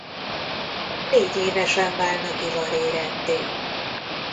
Négyévesen válnak ivaréretté.